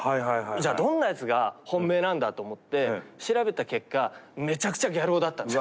じゃあどんなやつが本命なんだと思って調べた結果めちゃくちゃギャル男だったんです。